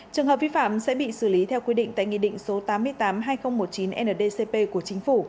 trường hợp vi phạm sẽ bị xử lý theo quy định tại nghị định số tám mươi tám hai nghìn một mươi chín ndcp của chính phủ